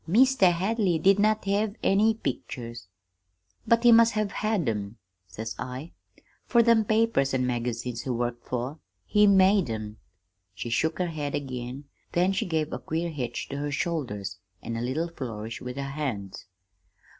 "'Meester Hadley did not have any pictures.' "'But he must have had 'em,' says I, 'fer them papers an' magazines he worked for. He made 'em!' "She shook her head again; then she gave a queer hitch to her shoulders, and a little flourish with her hands.